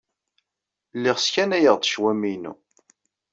Lliɣ sskanayeɣ-d ccwami-inu.